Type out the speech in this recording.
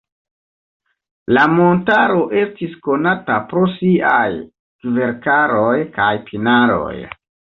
La montaro estis konata pro siaj kverkaroj kaj pinaroj.